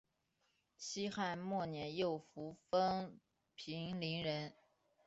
西汉末年右扶风平陵人。